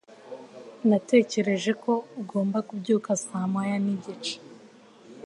Natekereje ko ugomba kubyuka saa moya nigice